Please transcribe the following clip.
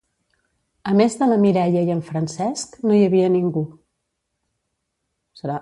A més de la Mireia i en Francesc, no hi havia ningú.